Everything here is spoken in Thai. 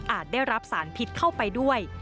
ได้รับสารพิษเข้าไปด้วย